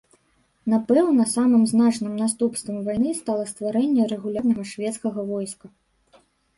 Напэўна, самым значным наступствам вайны стала стварэнне рэгулярнага шведскага войска.